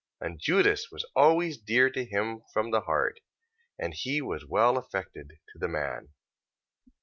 14:24. And Judas was always dear to him from the heart, and he was well affected to the man.